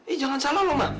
eh jangan salah loh mbak